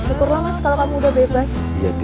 syukurlah mas kalau kamu udah bebas